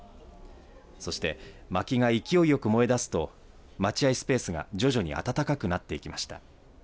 そして、まきが勢いよく燃えだすと待合スペースが徐々に暖かくなっていきました。